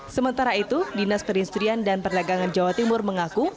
sementara itu dinas perindustrian dan perdagangan jawa timur mengaku